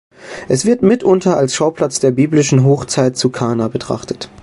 Es wird mitunter als Schauplatz der biblischen Hochzeit zu Kana betrachtet.